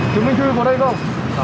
chứng minh chú ý của đây không